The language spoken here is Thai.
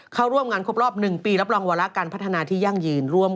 เข้าร่วมงานครบรอบ๑ปีรับรองวาระการพัฒนาที่ยั่งยืนร่วม